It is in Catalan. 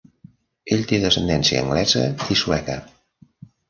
Ell té descendència anglesa i sueca.